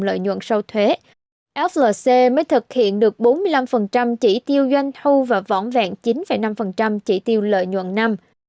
lợi nhuận sau thuế flc mới thực hiện được bốn mươi năm chỉ tiêu doanh thu và vỏn vẹn chín năm chỉ tiêu lợi nhuận năm